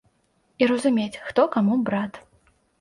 І разумець, хто каму брат.